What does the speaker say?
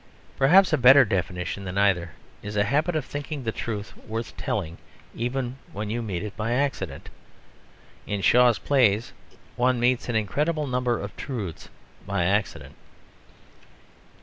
Perhaps a better definition than either is a habit of thinking the truth worth telling even when you meet it by accident. In Shaw's plays one meets an incredible number of truths by accident.